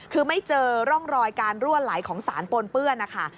คือไม่เจอร่องรอยการรั่วไหลของสารปนเปื้อนนะคะ